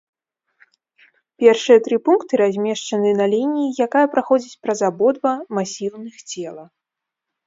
Першыя тры пункты размешчаны на лініі, якая праходзіць праз абодва масіўных цела.